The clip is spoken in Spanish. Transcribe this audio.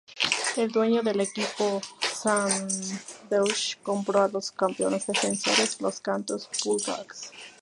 El dueño del equipo, Sam Deutsch compró a los campeones defensores, los Canton Bulldogs.